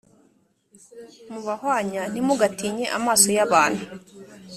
Mubahwanya ntimugatinye amaso y abantu